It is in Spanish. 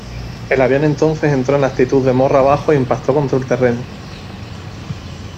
El avión entonces entró en actitud de morro abajo e impactó contra el terreno.